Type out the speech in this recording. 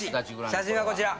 写真はこちら。